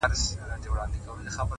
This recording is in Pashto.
o زه به له خپل دياره ولاړ سمه ـ